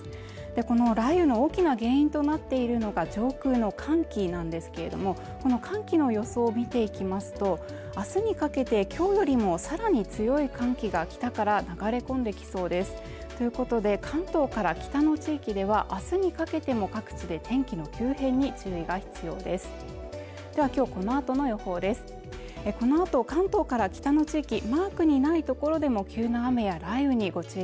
この雷雨の大きな原因となっているのが上空の寒気なんですけれどもこの寒気の予想を見ていきますとあすにかけてきょうよりもさらに強い寒気が北から流れ込んできそうですということで関東から北の地域ではあすにかけても各地で天気の急変に注意が必要ですでは今日このあとの予報です関東のお天気です